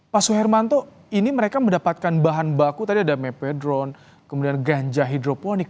pak suhermanto ini mereka mendapatkan bahan baku tadi ada mepedron kemudian ganja hidroponik